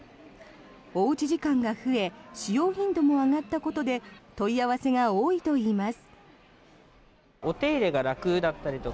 おうち時間が増え使用頻度も上がったことで問い合わせが多いといいます。